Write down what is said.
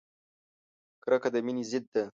کرکه د مینې ضد ده!